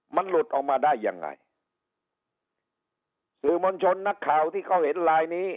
มันหลุดออกมาได้ยังไงสื่อมวลชนนักข่าวที่เขาเห็นไลน์นี้